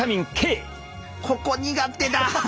ここ苦手だ。